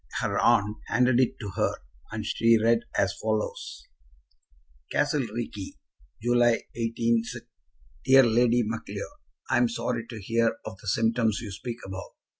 Her aunt handed it to her, and she read as follows: Castle Reekie, July, 186 . DEAR LADY MACLEOD, I am sorry to hear of the symptoms you speak about.